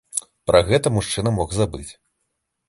Пра гэта мужчына мог забыць.